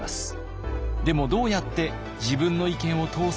でもどうやって自分の意見を通す？